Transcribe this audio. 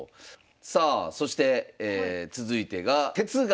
さあそして続いてが「哲学」。